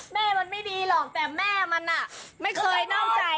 แม่มันไม่ดีหรอกแต่แม่มันไม่เคยนอกใจ